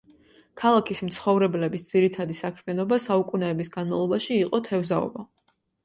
ქალაქის მცხოვრებლების ძირითადი საქმიანობა საუკუნეების განმავლობაში იყო თევზაობა.